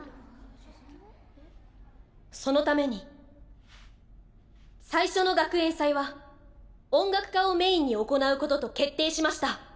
そのために最初の学園祭は音楽科をメインに行うことと決定しました。